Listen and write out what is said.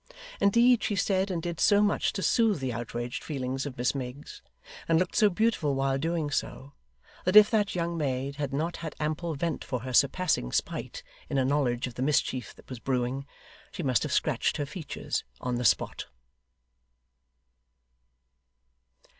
Indeed, she said and did so much to soothe the outraged feelings of Miss Miggs, and looked so beautiful while doing so, that if that young maid had not had ample vent for her surpassing spite, in a knowledge of the mischief that was brewing, she must have scratched her features, on the spot.